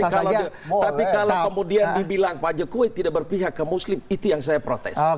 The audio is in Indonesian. tapi kalau kemudian dibilang pak jokowi tidak berpihak ke muslim itu yang saya protes